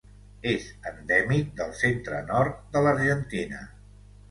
És endèmic del centre-nord de l'Argentina.